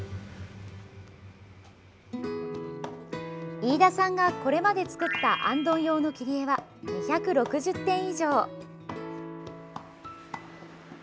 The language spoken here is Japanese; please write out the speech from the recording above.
飯田さんがこれまで作った行灯用の切り絵は２６０点以上。